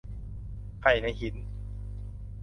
ไข่ในหิน